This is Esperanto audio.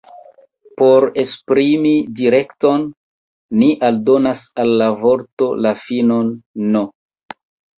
Por esprimi direkton, ni aldonas al la vorto la finon « n ».